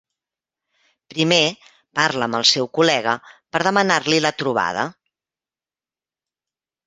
Primer parla amb el seu col·lega per demanar-li la trobada.